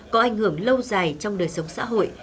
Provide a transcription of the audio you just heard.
có ảnh hưởng lâu dài trong đời sống xã hội